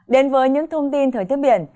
đến với những thông tin thời tiết biển